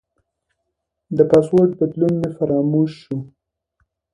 د پاسورډ بدلون مې فراموش شو.